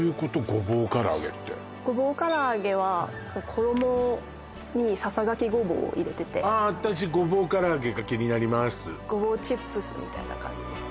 ごぼう空上げは衣にささがきごぼうを入れてて私ごぼう空上げが気になりますごぼうチップスみたいな感じです